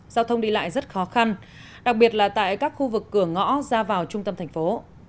giao thông đi lại rất khó khăn đặc biệt là tại các khu vực cửa ngõ ra vào trung tâm thành phố